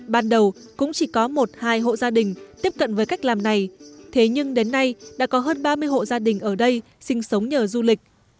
ban đầu cũng chỉ có một hai hộ gia đình tiếp cận với cách làm này thế nhưng đến nay đã có hơn ba mươi hộ gia đình ở đây sinh sống nhờ du lịch